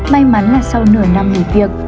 may mắn là sau nửa năm nghỉ việc